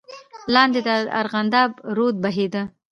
لاندې د ارغنداب رود بهېده.